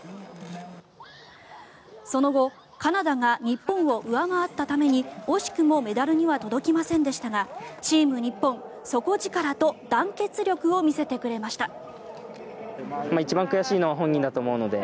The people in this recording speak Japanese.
その後、カナダが日本を上回ったために惜しくもメダルには届きませんでしたがチーム日本、底力と団結力を見せてくれました。